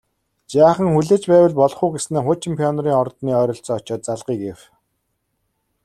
Жаахан хүлээж байвал болох уу гэснээ хуучин Пионерын ордны ойролцоо очоод залгая гэв